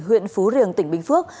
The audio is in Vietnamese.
huyện phú riềng tỉnh bình phước